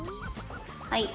はい。